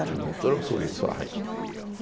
それはそうですわはい。